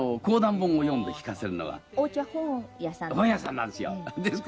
本屋さんなんですよ。